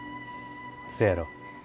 せやろ。